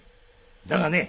だがね